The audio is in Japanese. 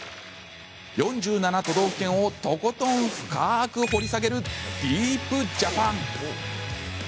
４７都道府県をとことん深く掘り下げる「ＤＥＥＰジャパン」。